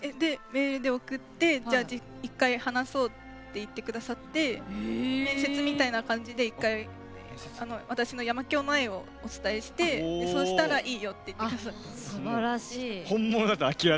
メールで送って話そうって言ってくださって面接みたいな形で一回私の山響への愛をお伝えしてそしたら「いいよ」って言ってくださって。